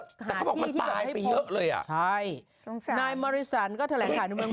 แต่เขาบอกมันตายไปเยอะเลยอ่ะใช่สงสัยนายมาริสันก็แถลงข่าวในเมือง